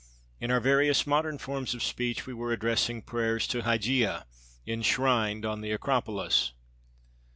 In our various modern forms of speech we were addressing prayers to Hygeia, enshrined on the Acropolis.